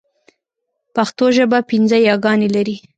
پښتو ژبه پنځه ی ګانې لري.